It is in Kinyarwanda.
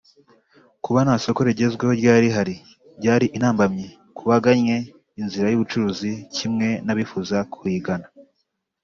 Kuba nta soko rigezweho ryari rihari byari intambamyi ku bagannye inzira y’ubucuruzi kimwe n’abifuzaga kuyigana